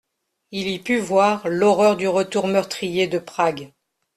Il y put voir l'horreur du retour meurtrier de Prague.